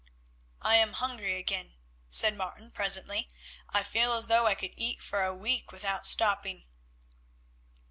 "I am hungry again," said Martin presently; "I feel as though I could eat for a week without stopping."